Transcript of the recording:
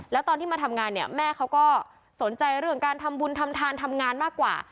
แล้วตอนที่มาทำงานเนี่ยแม่เขาก็สนใจเรื่องการทำบุญทำทานทำงานมากกว่า